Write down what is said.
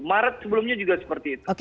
maret sebelumnya juga seperti itu